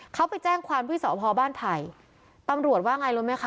เขาไปแจ้งความที่สพบ้านไผ่ตำรวจว่าไงรู้ไหมคะ